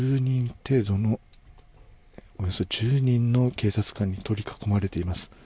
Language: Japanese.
およそ１０人の警察官に取り囲まれています。